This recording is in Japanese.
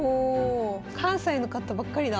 関西の方ばっかりだ。